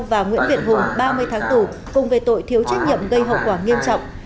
và nguyễn việt hùng ba mươi tháng tù cùng về tội thiếu trách nhiệm gây hậu quả nghiêm trọng